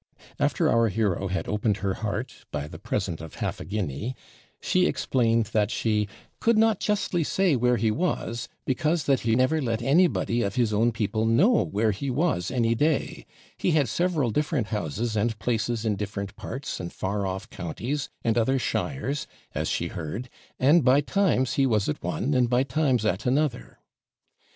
After our hero had opened her heart by the present of half a guinea, she explained, that she 'could not JUSTLY say where he was, because that he never let anybody of his own people know where he was any day; he had several different houses and places in different parts, and far off counties, and other shires, as she heard, and by times he was at one, and by times at another.'